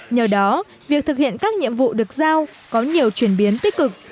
nhờ đó việc thực hiện các nhiệm vụ được giao có nhiều chuyển biến tích cực